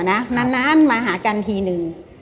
นานมาหากันทีนึง